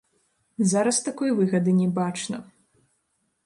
Зараз такой выгады не бачна.